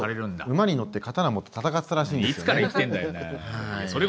馬に乗って刀持って戦ってたらしいんですよね。